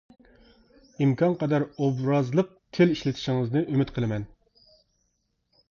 ئىمكان قەدەر ئوبرازلىق تىل ئىشلىتىشىڭىزنى ئۈمىد قىلىمەن.